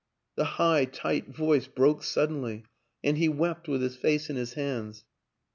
" The high, tight voice broke suddenly and he wept with his face in his hands.